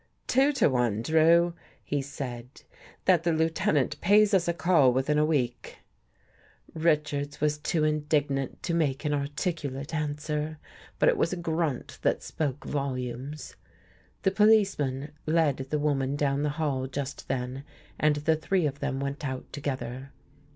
" Two to one. Drew," he said, " that the Lieu tenant pays us a call within a week." Richards was too indignant to make an articulate answer. But it was a grunt that spoke volumes. The policeman led the woman down the hall just then and the three of them went out together.